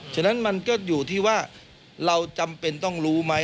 ฉะนั้นมันก็อยู่ที่ว่าเราจำเป็นต้องรู้ไหม